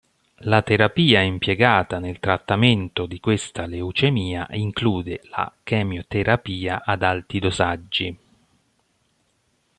La terapia impiegata nel trattamento di questa leucemia include la chemioterapia ad alti dosaggi.